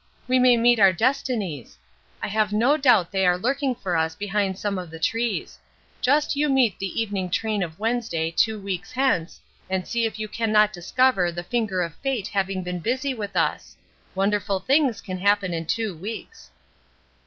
We may meet our destinies. I have no doubt they are lurking for us behind some of the trees. Just you meet the evening train of Wednesday, two weeks hence, and see if you can not discover the finger of fate having been busy with us. Wonderful things can happen in two weeks."